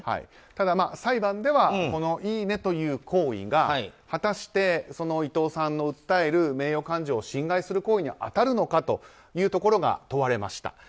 裁判では、いいねという行為が果たして伊藤さんの訴える名誉感情を侵害する行為に当たるのかというところが問われました。